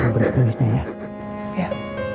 beri pelihnya ya